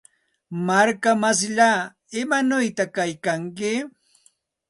Markamsillaa, ¿imanawta kaykanki?